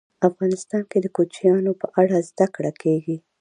افغانستان کې د کوچیانو په اړه زده کړه کېږي.